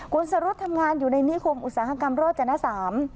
คุณสรุษทำงานอยู่ในนิคมอุตสาหกรรมโรธจนทรศาสตร์๓